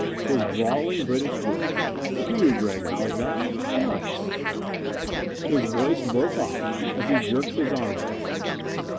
His drawling, British voice: "You, Gregg Haljan! How nice!" His voice broke off as he jerked his arm from me.